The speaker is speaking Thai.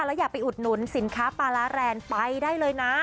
แล้วอย่าไปอุดหนุนสินค้าปลาร้าแรงไปได้เลยนะ